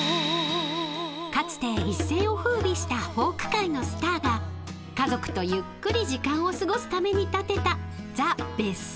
［かつて一世を風靡したフォーク界のスターが家族とゆっくり時間を過ごすために建てたザ・別荘］